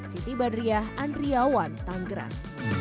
siti badriah andriawan tanggeran